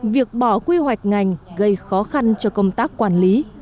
việc bỏ quy hoạch ngành gây khó khăn cho công tác quản lý